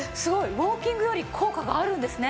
ウォーキングより効果があるんですね。